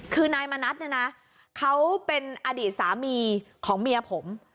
คือนายมณัฐเนี่ยนะเขาเป็นอดีตสามีของเมียผม